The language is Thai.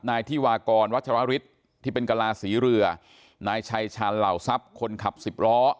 นายธิวากรวัชราฤทธิ์ที่เป็นกลาศรีเรือนายชัยชาญเหล่าทรัพย์คนขับสิบล้อ